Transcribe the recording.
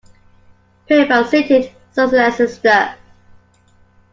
Pray be seated, Sir Leicester.